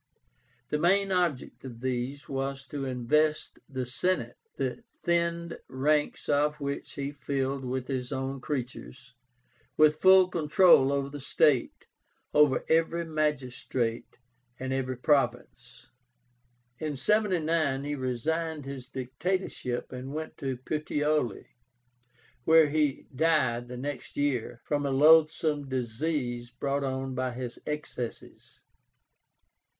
The main object of these was to invest the Senate, the thinned ranks of which he filled with his own creatures, with full control over the state, over every magistrate and every province. In 79 he resigned his dictatorship and went to Puteoli, where he died the next year, from a loathsome disease brought on by his excesses.